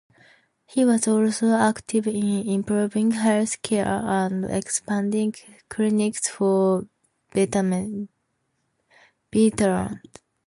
He was also active in improving health care and expanding clinics for veterans.